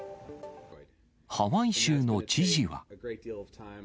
ハワイ州の知事は。